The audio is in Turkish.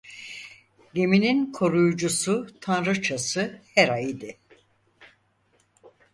Geminin koruyucusu tanrıçası Hera idi.